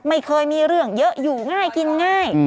ไม่เคยมีเรื่องเยอะอยู่ง่ายกินง่าย